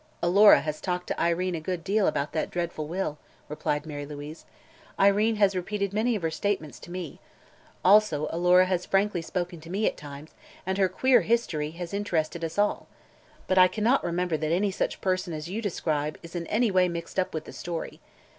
"Alora has talked to Irene a good deal about that dreadful will," replied Mary Louise, "Irene has repeated many of her statements to me. Also Alora has frankly spoken to me, at times, and her queer history has interested us all. But I cannot remember that any such person as you describe is in any way mixed up with the story.